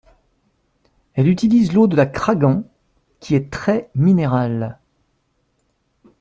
Elle utilise l’eau de la Craggan qui est très minérale.